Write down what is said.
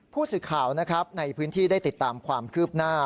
ผู้สื่อข่าวนะครับในพื้นที่ได้ติดตามความคืบหน้า